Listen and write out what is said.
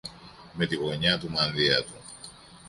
Με τη γωνιά του μανδύα του